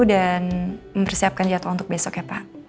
dan mempersiapkan jadwal untuk besok ya pak